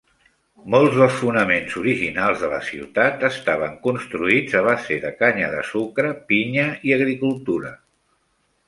Molts dels fonaments originals de la ciutat estaven construïts a base de canya de sucre, pinya i agricultura.